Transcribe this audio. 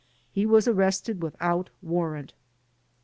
He was arrested without warrant.